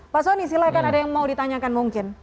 pak soni silahkan ada yang mau ditanyakan mungkin